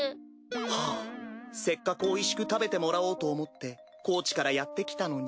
はぁせっかくおいしく食べてもらおうと思って高知からやって来たのに。